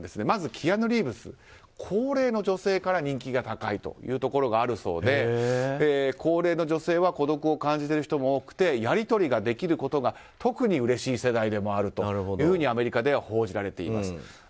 まず、キアヌ・リーブス高齢の女性から人気が高いところがあるそうで、高齢の女性は孤独を感じている人も多くてやり取りができることが特にうれしい世代でもあるとアメリカでは報じられています。